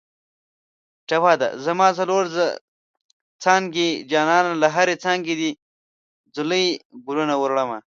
ټپه ده: زما څلور څانګې جانانه له هرې څانګې دې ځولۍ ګلونه وړمه